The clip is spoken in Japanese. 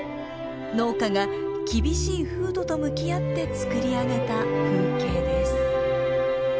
農家が厳しい風土と向き合ってつくり上げた風景です。